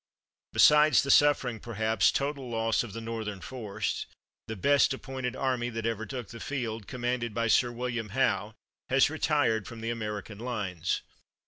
Besides the sufferings, perhaps total loss of the Northern force, the best appointed army that ever took the field, commanded by Sir Will iam Howe, has retired from the American lines.